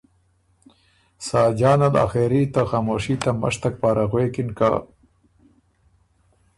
ساجان ال آخېري ته خاموشي ته مشتک پاره غوېکِن که:ـــ